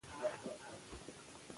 اسرافیل خان یو مشهور بالر دئ.